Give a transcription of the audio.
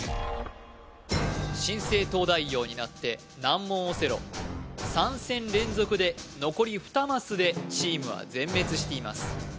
新生東大王になって難問オセロ３戦連続で残り２マスでチームは全滅しています